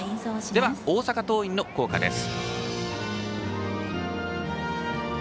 では大阪桐蔭の校歌です。